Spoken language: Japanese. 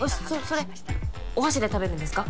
それお箸で食べるんですか？